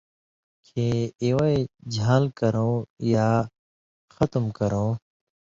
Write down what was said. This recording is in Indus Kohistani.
کھیں اِوَیں ژھان٘ل کرؤں یا ختُم کرؤں،